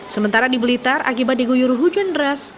sementara di blitar akibat diguyur hujan deras